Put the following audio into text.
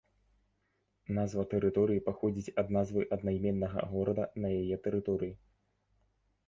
Назва тэрыторыі паходзіць ад назвы аднайменнага горада на яе тэрыторыі.